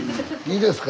いいですか？